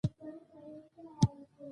احمد ته يې څو لاس سره ورکړل؟